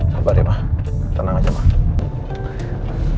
sabar ya pak tenang aja pak